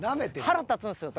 腹立つんですよ。